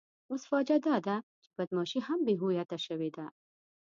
اوس فاجعه داده چې بدماشي هم بې هویته شوې ده.